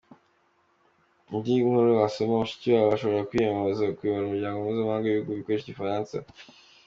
Indi nkuru wasoma: Mushikiwabo ashobora kwiyamamariza kuyobora Umuryango Mpuzamahanga w’Ibihugu bikoresha Igifaransa.